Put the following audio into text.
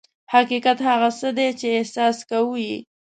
حقیقت هغه څه دي چې احساس کوو یې.